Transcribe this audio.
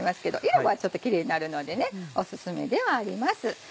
色はちょっとキレイになるのでオススメではあります。